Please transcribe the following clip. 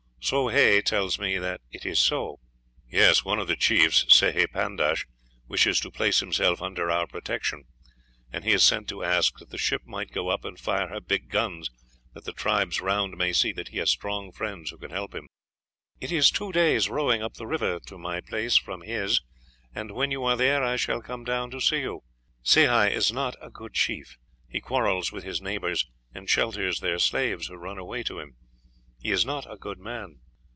Soh Hay tells me that it is so." "Yes; one of the chiefs, Sehi Pandash, wishes to place himself under our protection, and he has sent to ask that the ship might go up and fire her big guns, that the tribes round may see that he has strong friends who can help him." "It is two days' rowing up the river to my place from his, and when you are there I shall come down to see you. Sehi is not a good chief; he quarrels with his neighbors, and shelters their slaves who run away to him; he is not a good man."